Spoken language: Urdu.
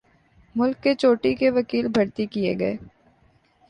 ملک کے چوٹی کے وکیل بھرتی کیے گئے۔